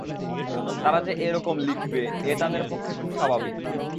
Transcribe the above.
তারা যে এ-রকম লিখবে, এ তাদের পক্ষে খুব স্বাভাবিক।